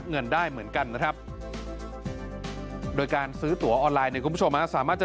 เงินได้เหมือนกันนะครับโดยการซื้อตัวออนไลน์เนี่ยคุณผู้ชมสามารถจะ